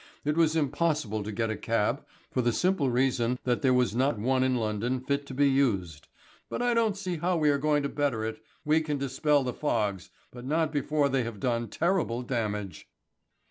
It was impossible to get a cab for the simple reason that there was not one in London fit to be used. "But I don't see how we are going to better it. We can dispel the fogs, but not before they have done terrible damage."